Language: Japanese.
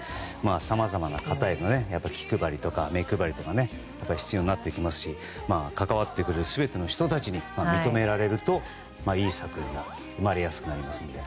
さまざまな方への気配りとか目配りとか必要になってきますし関わってくれる全ての人たちに認められるといい作品が生まれやすくなりますので。